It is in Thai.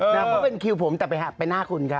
มันเป็นคิวผมแต่ไปหน้าคุณครับ